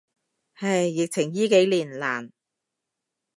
唉，疫情依幾年，難。